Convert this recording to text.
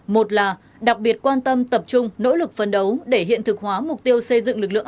một là đặc biệt quan tâm tập trung nỗ lực phấn đấu để hiện thực hóa mục tiêu xây dựng lực lượng